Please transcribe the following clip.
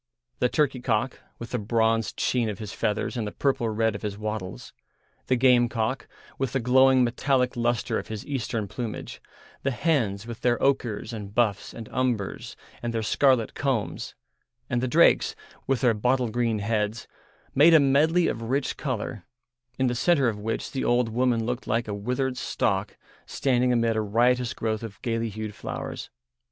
The turkey cock, with the bronzed sheen of his feathers and the purple red of his wattles, the gamecock, with the glowing metallic lustre of his Eastern plumage, the hens, with their ochres and buffs and umbers and their scarlet combs, and the drakes, with their bottle green heads, made a medley of rich colour, in the centre of which the old woman looked like a withered stalk standing amid a riotous growth of gaily hued flowers.